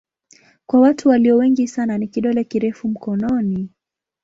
Kwa watu walio wengi sana ni kidole kirefu mkononi.